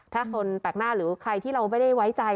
ถ้าคนแปลกหน้าหรือใครที่เราไม่ได้ไว้ใจ